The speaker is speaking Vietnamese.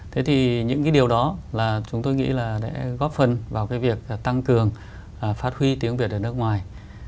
thế thì những điều đó chúng tôi nghĩ là để góp phần vào việc tăng cường phát huy tiếng việt ở nước ngoài